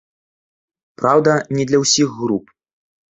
Праўда, не для ўсіх груп.